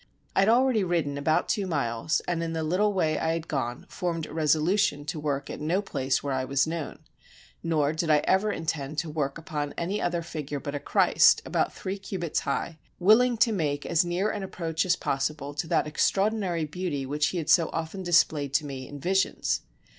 I had already ridden about two miles, and in the little way I had gone formed a resolution to work at no place where I was known; nor did I ever intend to work upon any other figure but a Christ, about three cubits high, willing to make as near an approach as possible to that extraordinary beauty which he had so often displayed to me in visions.